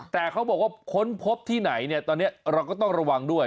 แต่เขาบอกว่าค้นพบที่ไหนเนี่ยตอนนี้เราก็ต้องระวังด้วย